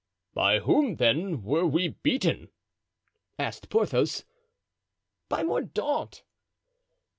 "By whom, then, were we beaten?" asked Porthos. "By Mordaunt."